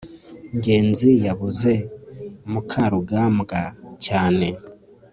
ngenzi yabuze mukarugambwa cyane